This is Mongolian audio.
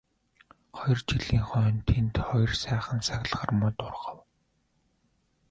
Хоёр жилийн хойно тэнд хоёр сайхан саглагар мод ургав.